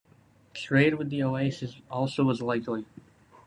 Trade with the oases also was likely.